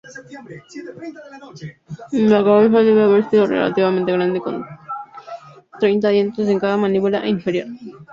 La cabeza debe haber sido relativamente grande con treinta dientes en cada mandíbula inferior.